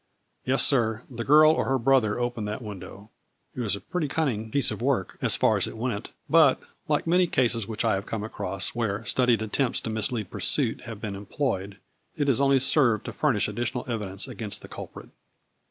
Yes, sir, the girl or her brother opened that window. It was a pretty cunning piece of work, as far as it went, but, like many cases which I have come across, where studied attempts to mislead pursuit have been employed, it has only served to fur nish additional evidence against the culprit."